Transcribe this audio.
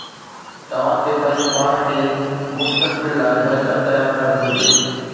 توهان کي پنهنجو پاڻ کي مستقبل لاءِ بهتر تيار ڪرڻ گهرجي